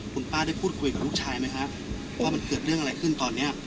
คุณป้าได้พูดคุยกับลูกชายไหมฮะว่ามันเกิดเรื่องอะไรขึ้นตอนนี้